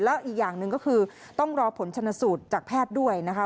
แล้วอีกอย่างหนึ่งก็คือต้องรอผลชนสูตรจากแพทย์ด้วยนะคะ